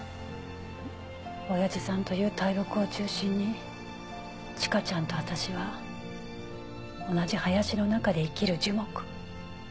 おやじさんという大木を中心に千佳ちゃんと私は同じ林の中で生きる樹木。